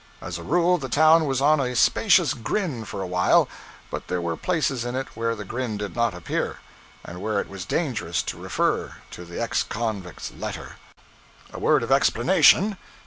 As a rule, the town was on a spacious grin for a while, but there were places in it where the grin did not appear, and where it was dangerous to refer to the ex convict's letter. A word of explanation.